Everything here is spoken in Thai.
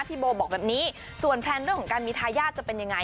พี่โบบอกแบบนี้ส่วนแพลนเรื่องของการมีทายาทจะเป็นยังไง